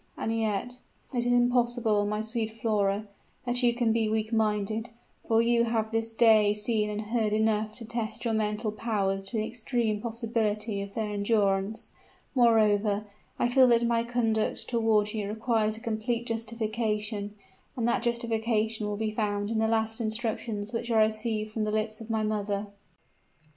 And yet," she continued, hastily, as a second thought struck her, "it is impossible, my sweet Flora, that you can be weak minded for you have this day seen and heard enough to test your mental powers to the extreme possibility of their endurance. Moreover, I feel that my conduct toward you requires a complete justification; and that justification will be found in the last instructions which I received from the lips of my mother."